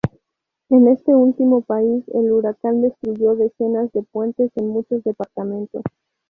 En este último país, el huracán destruyó decenas de puentes en muchos departamentos.